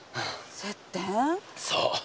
そう。